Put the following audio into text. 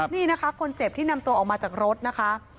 นี่นะคะคนเจ็บที่นำตัวออกมาจากรถนะคะ